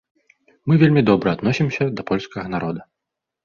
Мы вельмі добра адносімся да польскага народа.